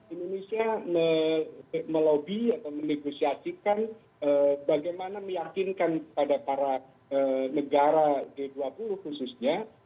indonesia melobi atau menegosiasikan bagaimana meyakinkan pada para negara g dua puluh khususnya